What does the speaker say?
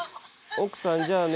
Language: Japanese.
奥さんじゃあね